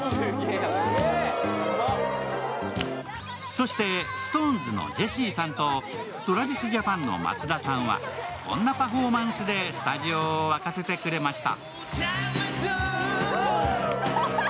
そして、ＳｉｘＴＯＮＥＳのジェシーさんとＴｒａｖｉｓＪａｐａｎの松田さんはこんなパフォーマンスでスタジオを沸かせてくれました。